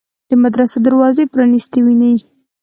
د مدرسو دروازې پرانیستې ویني.